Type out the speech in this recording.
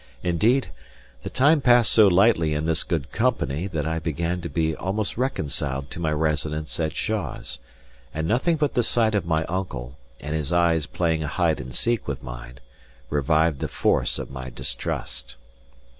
Indeed, the time passed so lightly in this good company, that I began to be almost reconciled to my residence at Shaws; and nothing but the sight of my uncle, and his eyes playing hide and seek with mine, revived the force of my distrust.